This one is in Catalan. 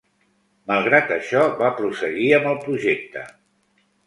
Malgrat això va prosseguir amb el projecte.